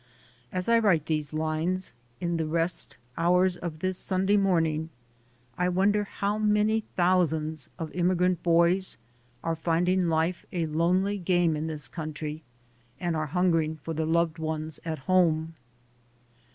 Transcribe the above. As I write these lines, in the rest hours of this Sunday morning, I wonder how many thousands of immigrant boys are finding life a lonely game in this country and are hungering for their loved ones at home.